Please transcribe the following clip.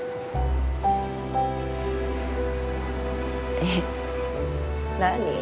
えっ？何？